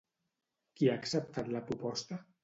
Qui ha acceptat la proposta?